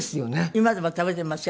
今でも食べてますよ